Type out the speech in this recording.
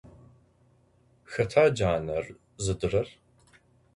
Xeta caner zıdırer?